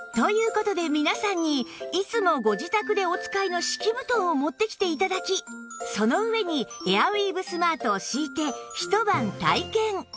事で皆さんにいつもご自宅でお使いの敷き布団を持ってきて頂きその上にエアウィーヴスマートを敷いてひと晩体験